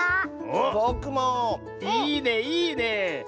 いいねいいね！